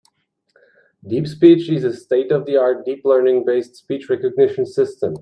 DeepSpeech is a state-of-the-art deep-learning-based speech recognition system.